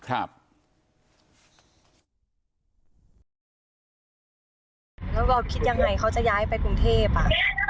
แล้วบอลคิดยังไงเขาจะย้ายไปกรุงเทพอ่ะ